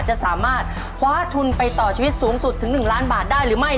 จะสามารถคว้าทุนไปต่อชีวิตสูงสุดถึง๑ล้านบาทได้หรือไม่